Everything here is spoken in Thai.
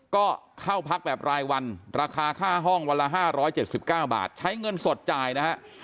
ก็เข้าพักแบบรายวันราคาค่าห้องวันละ๕๗๙บาทใช้เงินสดจ่ายนะฮะ